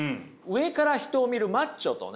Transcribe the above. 上から人を見るマッチョリーダー